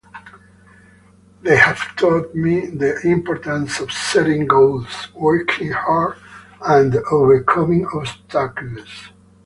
They have taught me the importance of setting goals, working hard, and overcoming obstacles.